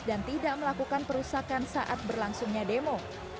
dan tidak melakukan perusakan saat berlangsungnya demo